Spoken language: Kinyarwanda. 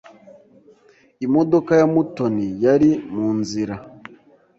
Imodoka ya Mutoni yari mu nzira.